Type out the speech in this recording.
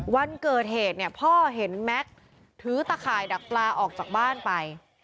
วันเกิดเหตุเนี่ยพ่อเห็นแม็กซ์ถือตะข่ายดักปลาออกจากบ้านไป